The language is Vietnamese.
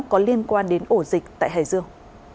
có liên quan đến ổ dịch tại hải dương